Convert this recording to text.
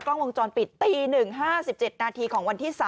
กล้องวงจรปิดตี๑๕๗นาทีของวันที่๓